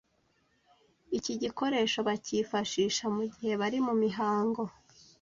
iki gikoresho bakifashisha mu gihe bari mu mihango